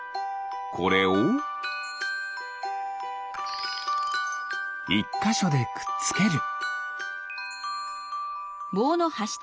これを１かしょでくっつける。